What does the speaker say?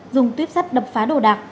dùng tuyếp sắt đập phá đồ đạc